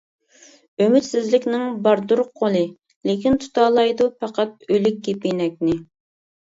ئۈمىدسىزلىكنىڭ باردۇر قولى، لېكىن تۇتالايدۇ پەقەت ئۆلۈك كېپىنەكنى.